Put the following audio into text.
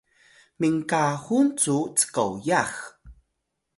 minkahul cu Cqoyax